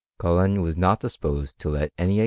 Culkn was doi, dispoeed to let any e&?